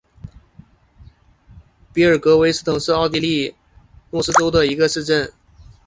比尔格韦斯滕霍夫是奥地利下奥地利州诺因基兴县的一个市镇。